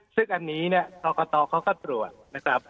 ซึ่งอันนี้เนี่ยครอสชเขาก็ปรวจ